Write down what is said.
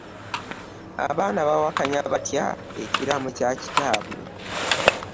Abaana bawakanya batya ekiraamo kya kitaabwe!